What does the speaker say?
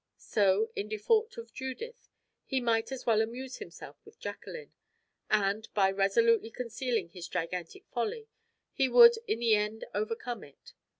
So, in default of Judith, he might as well amuse himself with Jacqueline; and, by resolutely concealing his gigantic folly, he would in the end overcome it.